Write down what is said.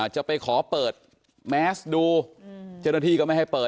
จะไปขอเปิดแมสดูเจ้าหน้าที่ก็ไม่ให้เปิด